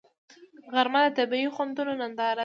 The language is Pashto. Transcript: غرمه د طبیعي خوندونو ننداره ده